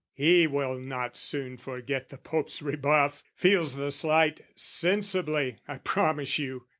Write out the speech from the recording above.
"He will not soon forget the Pope's rebuff, " Feels the slight sensibly, I promise you!